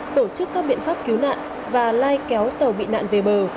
tổ chức các biện pháp cứu nạn và lai kéo tàu bị nạn về bờ